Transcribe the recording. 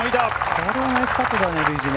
これはナイスパットだね竜二。